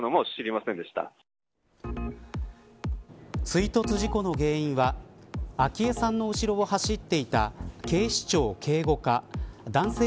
追突事故の原因は昭恵さんの後ろを走っていた警視庁警護課男性